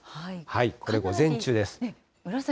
これ、午前中です。